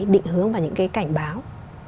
định hướng và những cái cảnh báo